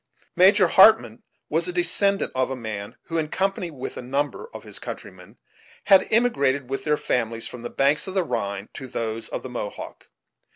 Major Hartmann was a descendant of a man who, in company with a number of his countrymen, had emigrated with their families from the banks of the Rhine to those of the Mohawk.